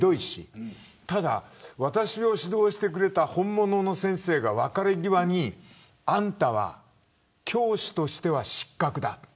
ただ、私を指導してくれた本物の先生が別れ際にあんたは教師としては失格だと。